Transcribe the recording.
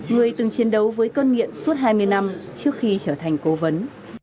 người từng chiến đấu với cơn nghiện suốt hai mươi năm trước khi trở thành cố vấn